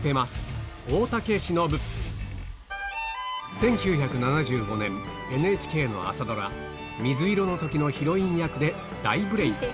１９７５年、ＮＨＫの朝ドラ、水色の時のヒロイン役で大ブレーク。